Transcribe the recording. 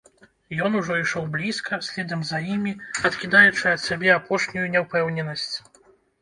Ён ужо ішоў блізка, следам за імі, адкідаючы ад сябе апошнюю няўпэўненасць.